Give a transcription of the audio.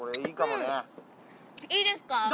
うんいいですか？